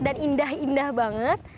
dan indah indah banget